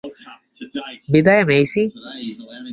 বিদায়, মেইসি!